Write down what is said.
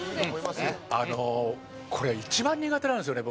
あのこれ一番苦手なんですよね